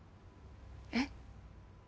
えっ？